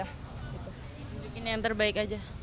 mungkin yang terbaik aja